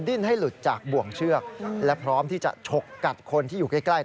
ดิ้นให้หลุดจากบ่วงเชือกและพร้อมที่จะฉกกัดคนที่อยู่ใกล้